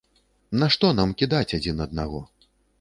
Нашто нам кідаць адзін аднаго?